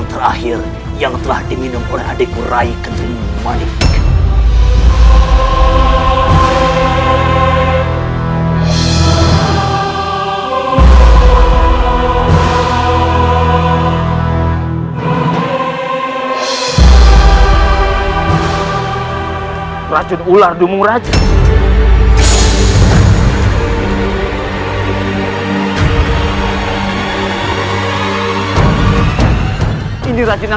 sampai jumpa di video selanjutnya